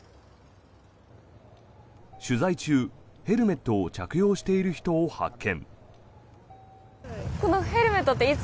取材中、ヘルメットを着用している人を発見。